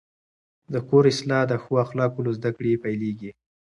د کور اصلاح د ښو اخلاقو له زده کړې پیلېږي.